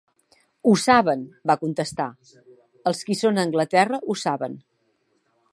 "Ho saben", va contestar, "els qui són a Anglaterra ho saben".